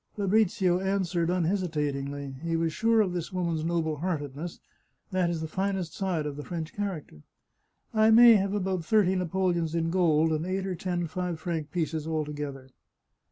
Fabrizio answered unhesitatingly; he was sure of this woman's noble heartedness — that is the finest side of the French character. " I may have about thirty napoleons in gold, and eight or ten five franc pieces, altogether."